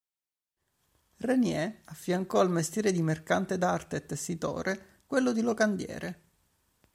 Reynier affiancò al mestiere di mercante d'arte e tessitore quello di locandiere.